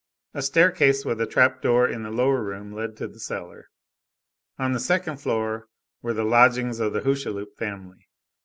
A staircase with a trap door in the lower room led to the cellar. On the second floor were the lodgings of the Hucheloup family.